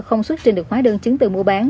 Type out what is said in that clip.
không xuất trình được hóa đơn chứng từ mua bán